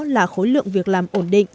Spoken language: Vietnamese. là khối lượng việc làm ổn định